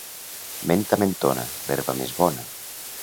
Menta, mentona, l'herba més bona.